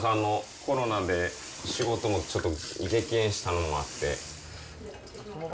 コロナで仕事もちょっと激減したのもあって。